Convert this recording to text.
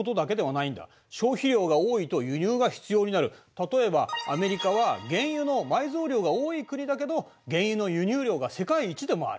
例えばアメリカは原油の埋蔵量が多い国だけど原油の輸入量が世界一でもある。